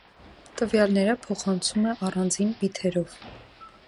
Տվյալները փոխանցում է առանձին բիթերով։